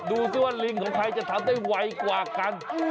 ดูสิว่าลิงของใครจะทำได้ไวกว่ากัน